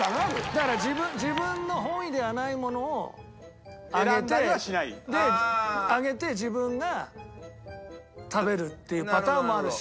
だから自分の本意ではないものを上げて上げて自分が食べるっていうパターンもあるし。